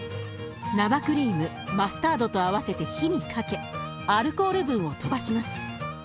生クリームマスタードと合わせて火にかけアルコール分をとばします。